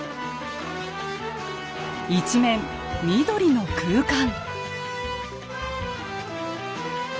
一面緑の空間。